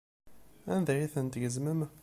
Anda ay tent-tgezmem?